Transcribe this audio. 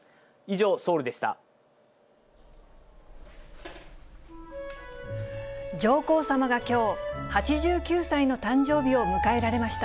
上皇さまがきょう、８９歳の誕生日を迎えられました。